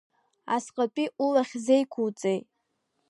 Асҟатәи улахь зеиқәуҵеи?